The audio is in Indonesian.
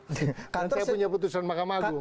dan saya punya keputusan mahkamah agung